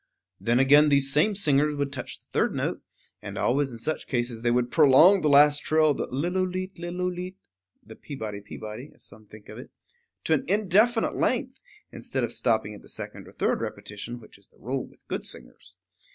Then again these same singers would touch the third note, and always in such cases they would prolong the last trill, the lillooleet lillooleet (the Peabody Peabody, as some think of it), to an indefinite length, instead of stopping at the second or third repetition, which is the rule with good singers.